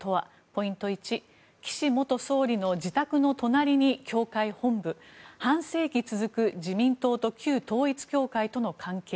ポイント１岸元総理の自宅の隣に教会本部半世紀続く自民党と旧統一教会との関係。